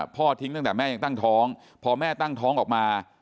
พ่อทิ้งตั้งแต่แม่ยังตั้งท้องพอแม่ตั้งท้องออกมา